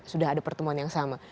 sudah ada pertemuan yang sama